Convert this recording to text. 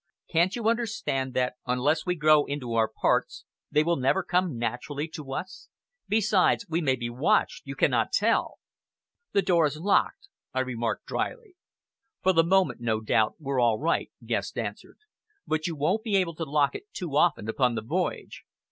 Can't you understand that, unless we grow into our parts, they will never come naturally to us? Besides, we may be watched. You cannot tell." "The door is locked," I remarked dryly. "For the moment, no doubt, we're all right," Guest answered; "but you won't be able to lock it often upon the voyage.